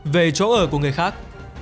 về chỗ ở của người khác